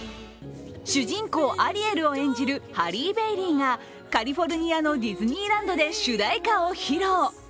主人公・アリエルを演じるハリー・ベイリーがカリフォルニアのディズニーランドで主題歌を披露。